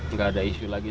nggak ada isu lagi